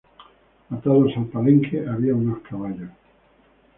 Atados al palenque había unos caballos.